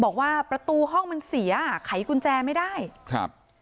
บอกว่าประตูห้องมันเสียไขกุญแจไม่ได้ครับ